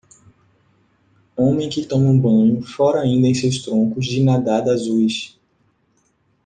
Homem que toma um banho fora ainda em seus troncos de nadada azuis.